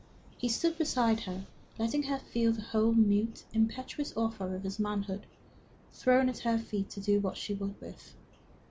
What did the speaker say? He stood beside her, letting her feel the whole mute, impetuous offer of his manhood thrown at her feet to do what she would with.